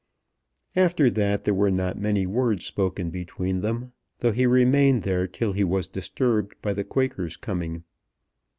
After that there were not many words spoken between them, though he remained there till he was disturbed by the Quaker's coming.